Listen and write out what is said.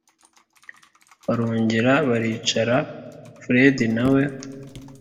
barongera baricara fred nawe